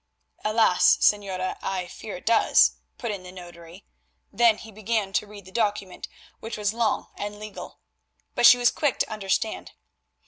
"Alas! Señora, I fear it does," put in the notary. Then he began to read the document, which was long and legal. But she was quick to understand.